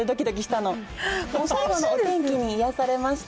でも最後のお天気に癒やされました。